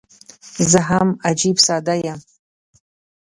زه هم عجيب ساده یم.